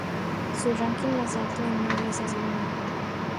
Su ranking más alto en dobles es el No.